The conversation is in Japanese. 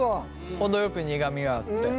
程よく苦みがあって。